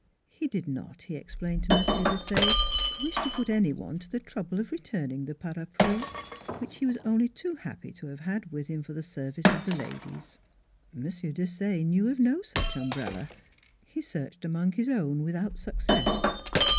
He did not, he explained to M. Desaye, wish to put any one to the trouble of returning the parapluie, which he was only too happy to have had with him for the service of the ladies. M. Desaye knew of no such umbrella. He searched among his own without success.